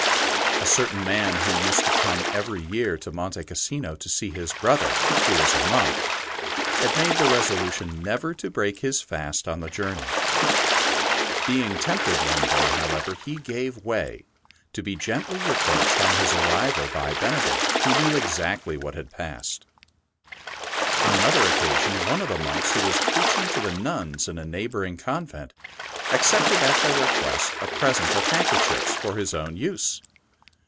A certain man who used to come every year to Monte Cassino to see his brother, who was a monk, had made the resolution never to break his fast on the journey. Being tempted one day, however, he gave way, to be gently reproached on his arrival by Benedict, who knew exactly what had passed. On another occasion one of the monks who was preaching to the nuns in a neighbouring convent, ac cepted at their request a present of hand ST. BENEDICT 83 kerchiefs for his own use.